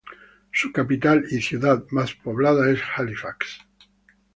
Su capital y ciudad más poblada es Halifax.